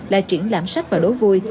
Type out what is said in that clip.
là triển lãm sách và đối vui